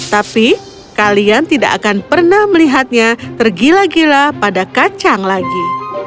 tapi kalian tidak akan pernah melihatnya tergila gila pada kacang lagi